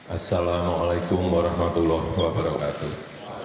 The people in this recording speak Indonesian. assalamu'alaikum warahmatullahi wabarakatuh